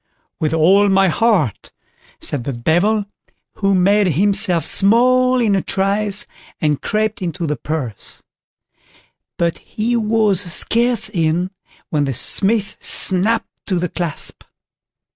"With all my heart", said the Devil, who made himself small in a trice, and crept into the purse; but he was scarce in when the Smith snapped to the clasp.